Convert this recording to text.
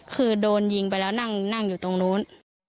คือโดนยิงไปแล้วนั่งอยู่ตรงนู้น